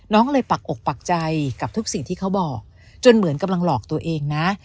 น้องเลยปักอกปักใจกับทุกสิ่งที่เขาบอกจนเหมือนกำลังหลอกตัวเองนะ